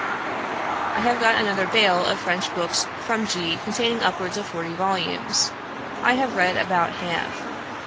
"I have got another bale of French books from G. containing upwards of forty volumes. I have read about half.